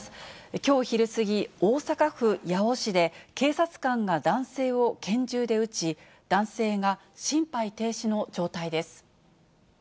きょう昼過ぎ、大阪府八尾市で、警察官が男性を拳銃で撃ち、男性が心肺停止の状態です。